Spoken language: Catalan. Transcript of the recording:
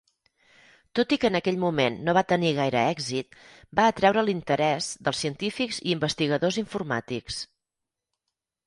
Tot i que en aquell moment no ve tenir gaire èxit, va atreure l'interès dels científics i investigadors informàtics.